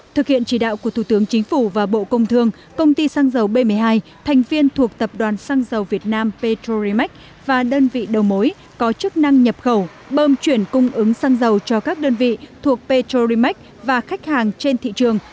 thực hiện chỉ đạo của thủ tướng chính phủ và bộ công thương công ty xăng dầu b một mươi hai thành viên thuộc tập đoàn xăng dầu việt nam petrolimax và đơn vị đầu mối có chức năng nhập khẩu bơm chuyển cung ứng xăng dầu cho các đơn vị thuộc petrolimax và khách hàng trên thị trường